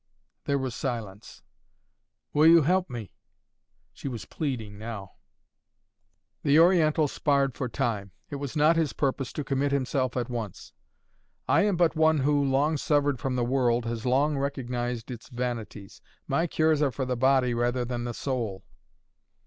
There was a silence. "Will you help me?" She was pleading now. The Oriental sparred for time. It was not his purpose to commit himself at once. "I am but one who, long severed from the world, has long recognized its vanities. My cures are for the body rather than the soul."